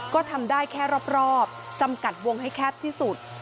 ก็ทำได้แค่รอบจำกัดวงให้แคบที่สุด